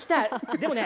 でもね